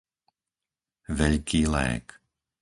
Veľký Lég